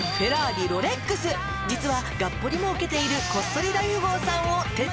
「実はがっぽりもうけているこっそり大富豪さんを徹底調査」